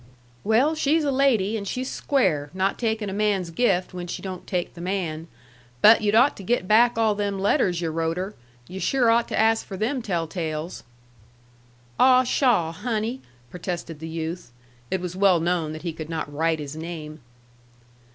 "Well, she's a lady, and she's square, not takin' a man's gift when she don't take the man. But you'd ought to get back all them letters yu' wrote her. Yu' sure ought to ask her for them tell tales." "Ah, pshaw, Honey!" protested the youth. It was well known that he could not write his name.